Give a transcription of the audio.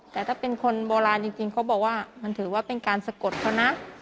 แต่ถ้าเป็นคนโบราณจริงเขาบอกว่ามันถือว่าเป็นการสะกดเขานะ